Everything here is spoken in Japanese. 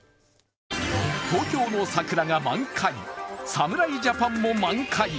東京の桜が満開、侍ジャパンも満開。